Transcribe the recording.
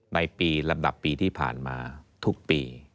ในปีลำดับปีที่ผ่านมาทุกปี